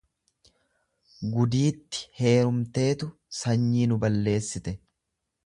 gudiitti heerumteetu sanyii nu balleessite.